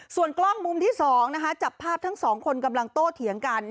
ส่วนกล้องมุมที่๒จับภาพทั้งสองคนกำลังโต้เถียงกัน